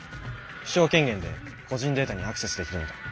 首長権限で個人データにアクセスできるので。